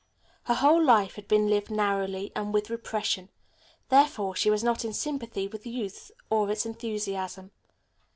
Her whole life had been lived narrowly, and with repression, therefore she was not in sympathy with youth or its enthusiasm.